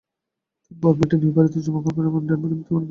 তিনি ভারমন্টের নিউবারিতে জন্মগ্রহণ করেন এবং ডেনভারে মৃত্যুবরণ করেন।